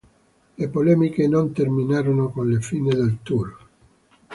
Le polemiche non terminarono con la fine del "tour".